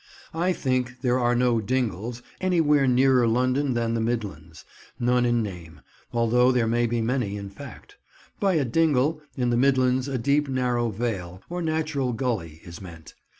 I think there are no "dingles" anywhere nearer London than the midlands; none in name, although there may be many in fact. By a "dingle" in the midlands a deep narrow vale, or natural gully is meant.